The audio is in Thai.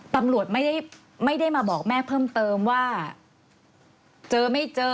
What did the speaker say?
ตำรวจไม่ได้มาบอกแม่เพิ่มเติมว่าเจอไม่เจอ